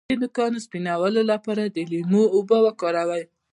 د نوکانو د سپینیدو لپاره د لیمو اوبه وکاروئ